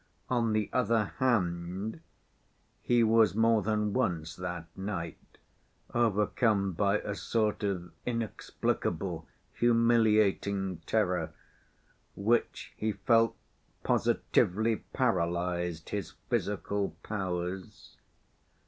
On the other hand, he was more than once that night overcome by a sort of inexplicable humiliating terror, which he felt positively paralyzed his physical powers.